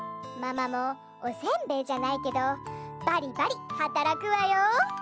ママもおせんべいじゃないけどバリバリはたらくわよ！